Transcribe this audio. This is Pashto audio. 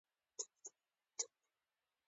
ښوونکی له کتاب مثال راواخیست.